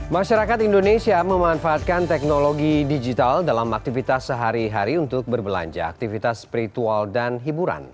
masyarakat indonesia memanfaatkan teknologi digital dalam aktivitas sehari hari untuk berbelanja aktivitas spiritual dan hiburan